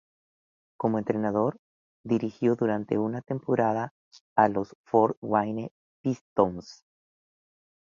Como entrenador, dirigió durante una temporada a los Fort Wayne Pistons.